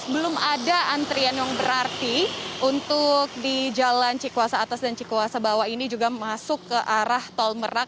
belum ada antrian yang berarti untuk di jalan cikuasa atas dan cikuasa bawah ini juga masuk ke arah tol merak